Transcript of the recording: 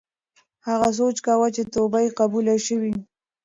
هغه سوچ کاوه چې توبه یې قبوله شوې.